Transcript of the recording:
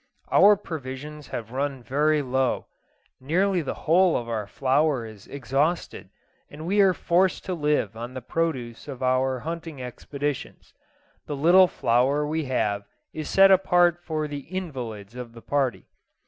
Our provisions have run very low; nearly the whole of our flour is exhausted, and we are forced to live on the produce of our hunting expeditions. The little flour we have is set apart for the invalids of the party.